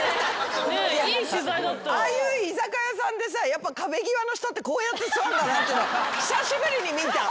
ああいう居酒屋さんでさやっぱ壁際の人ってこうやって座んだなっていうの久しぶりに見た。